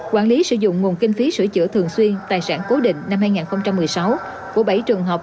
quản lý sử dụng nguồn kinh phí sửa chữa thường xuyên tài sản cố định năm hai nghìn một mươi sáu của bảy trường học